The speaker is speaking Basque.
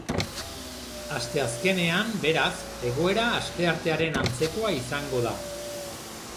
Asteazkenean, beraz, egoera asteartearen antzekoa izango da.